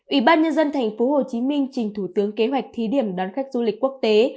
ủy ban nhân dân thành phố hồ chí minh trình thủ tướng kế hoạch thí điểm đón khách du lịch quốc tế